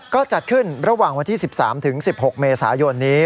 ก็จัดขึ้นระหว่างวันที่๑๓๑๖เมษายนนี้